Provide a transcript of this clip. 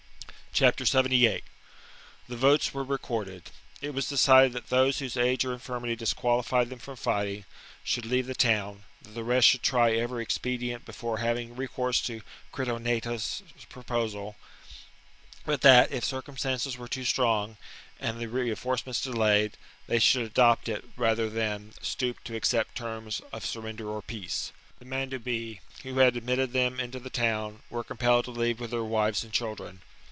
The fate of 78. The votcs wcre recorded. It was decided the Men dubii. that those whose age or infirmity disqualified them for fighting should leave the town ; that the rest should try every expedient before having recourse to Critognatus's proposal ; but that, if circumstances were too strong and the reinforce ments delayed, they should adopt it rather than VII OF VERCINGETORIX 269 stoop to accept terms of surrender or peace. The 52 b.c. Mandubii, who had admitted them into the town, were compelled to leave with their wives and chil dren.